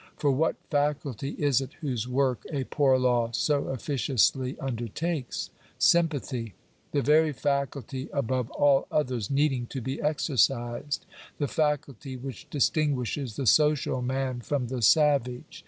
For what fa culty is it whose work a poor law so officiously undertakes ? Sympathy. The very faculty above all others needing to be exercised. The faculty which distinguishes the social man from the savage.